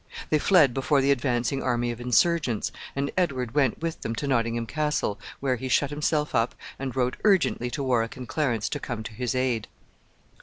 They fled before the advancing army of insurgents, and Edward went with them to Nottingham Castle, where he shut himself up, and wrote urgently to Warwick and Clarence to come to his aid.